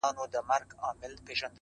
هره هڅه د بریا پیل ټکی دی.!